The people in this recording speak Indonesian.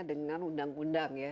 dengan undang undang ya